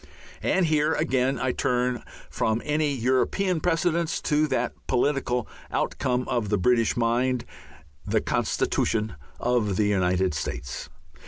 And here, again, I turn from any European precedents to that political outcome of the British mind, the Constitution of the United States.